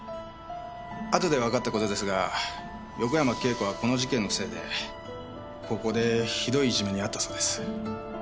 あとでわかったことですが横山慶子はこの事件のせいで高校でひどいいじめに遭ったそうです。